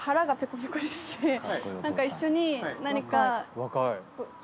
何か一緒に何か。